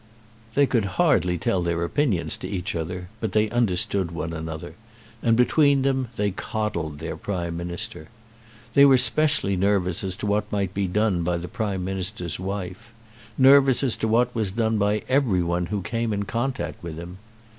They could hardly tell their opinions to each other, but they understood one another, and between them they coddled their Prime Minister. They were specially nervous as to what might be done by the Prime Minister's wife, nervous as to what was done by every one who came in contact with him.